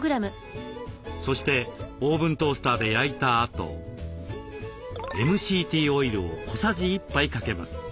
そしてオーブントースターで焼いたあとＭＣＴオイルを小さじ１杯かけます。